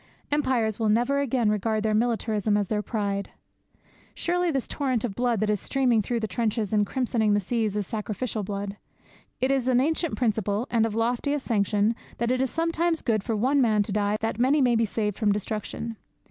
Empires will never again regard their militarism as their pride. Surely this torrent of blood that is streaming through the trenches and crimsoning the seas is sacrificial blood! It is an ancient principle, and of loftiest sanction, that it is sometimes good for one man to die that many may be saved from destruction.